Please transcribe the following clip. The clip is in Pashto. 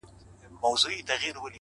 o دا موسیقي نه ده جانانه، دا سرگم نه دی،